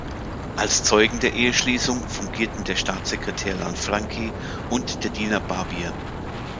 Als Zeugen der Eheschließung fungierten der Staatssekretär Lanfranchi und der Diener Barbier.